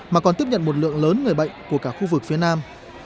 mà còn tiếp nhận một lượng lớn người bệnh của cả khu vực phía nam